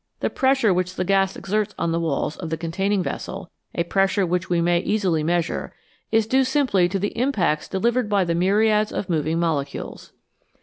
The pressure which the gas exerts on the walls of the containing vessel a pressure which we may easily measure is due simply to the impacts delivered by the myriads of moving molecules.